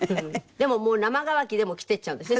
でももう生乾きでも着てっちゃうんですね